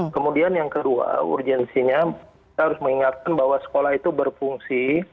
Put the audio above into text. kemudian yang kedua urgensinya kita harus mengingatkan bahwa sekolah itu berfungsi